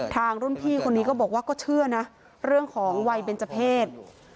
ทางรุ่นพี่คนนี้ก็บอกว่าก็เชื่อนะเรื่องของวัยเบนเจอร์เพศ